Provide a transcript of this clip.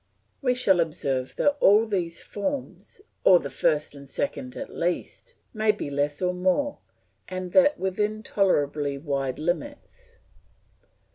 We shall observe that all these forms, or the first and second at least, may be less or more, and that within tolerably wide limits.